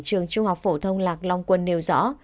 trường trung học phổ thông lạc long quân nêu rõ